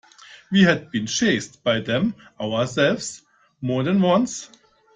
We had been chased by them ourselves, more than once.